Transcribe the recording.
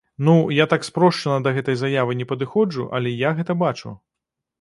Ну, я так спрошчана да гэтай заявы не падыходжу, але я гэта бачу.